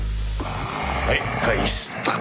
はい返した！